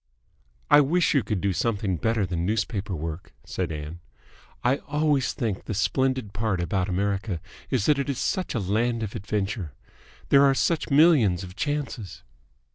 "I wish you could do something better than newspaper work," said Ann. "I always think the splendid part about America is that it is such a land of adventure. There are such millions of chances.